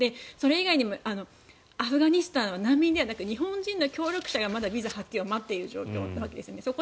それ以外にもアフガニスタンの難民では日本人の協力者がビザの発給を待っている状況のわけですよね。